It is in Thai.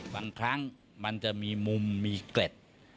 บางครั้งมันจะมีมุมมีเกร็ด